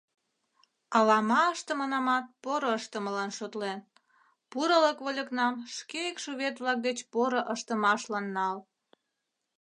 Алама ыштымынамат поро ыштымылан шотлен, пурылык вольыкнам шке икшывет-влак деч поро ыштымашлан нал...